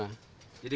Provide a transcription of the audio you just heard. nggak murahan pak ya